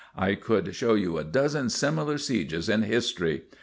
I could show you a dozen similar sieges in history.